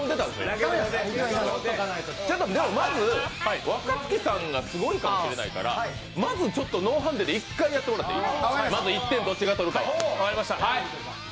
まず、若槻さんがすごいかもしれないからまずちょっとノーハンデで１回やってもらっていい？